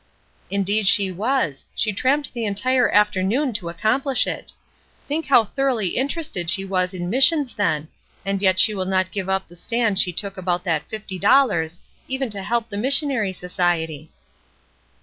"Indeed she was; she tramped the entire afternoon to accomplish it. Think how thoroughly interested she was in missions then; and yet she will not give up the stand she took about that fifty dollars, even to help the mis sionary society."